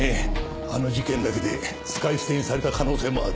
あの事件だけで使い捨てにされた可能性もある。